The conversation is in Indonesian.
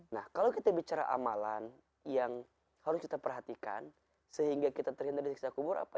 nah kalau kita bicara amalan yang harus kita perhatikan sehingga kita terhindar dari siksa kubur apa